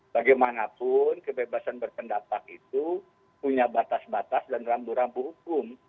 bagaimanapun kebebasan berpendapat itu punya batas batas dan rambu rambu hukum